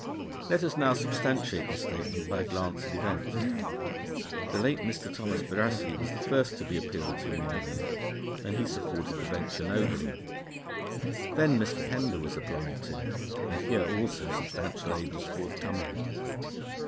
Let us now substantiate this statement by a glance at events. The late Mr. Thomas Brassey was the first to be appealed to in England, and he supported the venture nobly. Then Mr. Pender was applied to, and here also substantial aid was forthcoming.